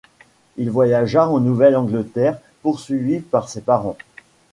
Il voyagea en Nouvelle-Angleterre, poursuivi par ses parents.